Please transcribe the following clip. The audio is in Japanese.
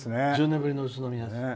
１０年ぶりの宇都宮です。